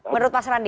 menurut mas rani